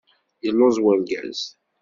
Yelluẓ urgaz.